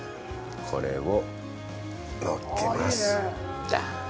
これを載っけます